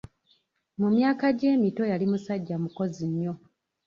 Mu myaka gye emito yali musajja mukozi nnyo.